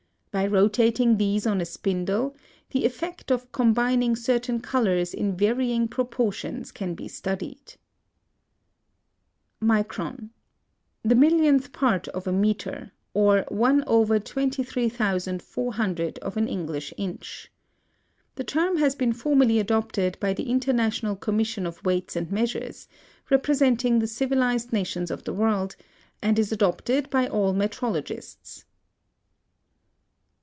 By rotating these on a spindle, the effect of combining certain colors in varying proportions can be studied. MICRON. The millionth part of a metre, or 1/23400 of an English inch. The term has been formally adopted by the International Commission of Weights and Measures, representing the civilized nations of the world, and is adopted by all metrologists.